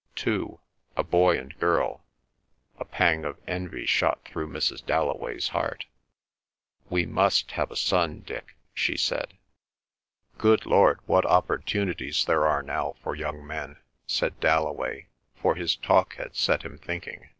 "Two. A boy and girl." A pang of envy shot through Mrs. Dalloway's heart. "We must have a son, Dick," she said. "Good Lord, what opportunities there are now for young men!" said Dalloway, for his talk had set him thinking.